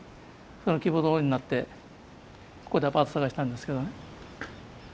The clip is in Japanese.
その希望どおりになってここでアパート探したんですけどね。